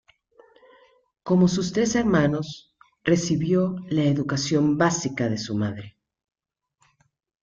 Como sus tres hermanos, recibió la educación básica de su madre.